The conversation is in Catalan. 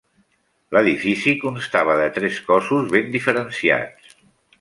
L'edifici constava de tres cossos ben diferenciats.